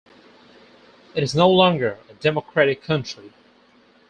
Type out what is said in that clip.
It is no longer a democratic country.